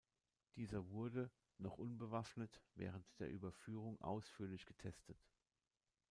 Dieser wurde, noch unbewaffnet, während der Überführung ausführlich getestet.